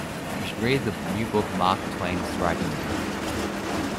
You should read the new book Mark Twain's writing now.